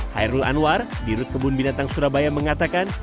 hairul anwar di rut kebun binatang surabaya mengatakan